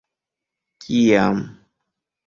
kiam